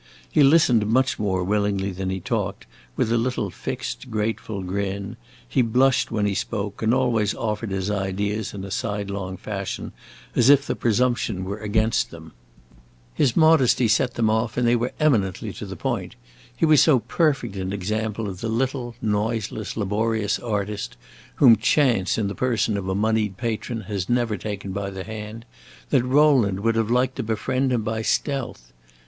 He listened much more willingly than he talked, with a little fixed, grateful grin; he blushed when he spoke, and always offered his ideas in a sidelong fashion, as if the presumption were against them. His modesty set them off, and they were eminently to the point. He was so perfect an example of the little noiseless, laborious artist whom chance, in the person of a moneyed patron, has never taken by the hand, that Rowland would have liked to befriend him by stealth.